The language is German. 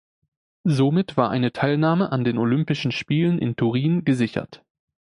Somit war eine Teilnahme an den Olympischen Spielen in Turin gesichert.